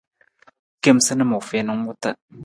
Kemasanam u fiin ng wuta.